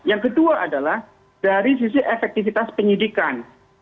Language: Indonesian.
yang kedua adalah dari sisi efektivitas penyidikan